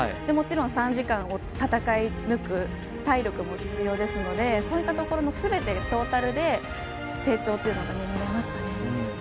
もちろん３時間を戦い抜く体力も必要ですのでそういったところのすべてトータルで成長というのが見れましたね。